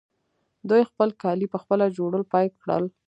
دوی خپل کالي پخپله جوړول پیل کړل.